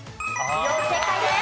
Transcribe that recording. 正解です。